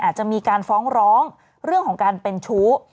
อาจจะมีการฟ้องร้องเรื่องของการเป็นชู้